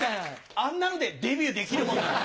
あんなのでデビューできるもんなんですか？